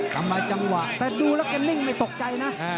ทำลายจังหวะแต่ดูแล้วแกนิ่งไม่ตกใจนะ